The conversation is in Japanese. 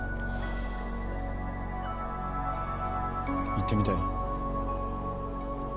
行ってみたい？